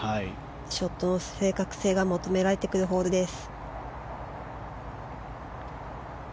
ショットの正確性が求められてくるホールです。